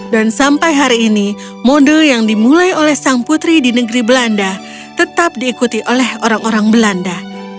sampai hari ini mode yang dimulai oleh sang putri di negeri belanda tetap diikuti oleh orang orang belanda